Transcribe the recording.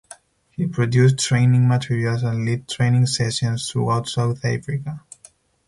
He produced training materials and lead training sessions throughout South Africa.